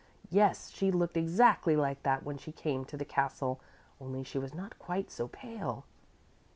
Yes, she looked exactly like that when she came to the castle; only she was not quite so pale."